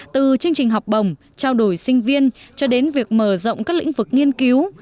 từ chương trình học bồng trao đổi sinh viên cho đến việc mở rộng các lĩnh vực nghiên cứu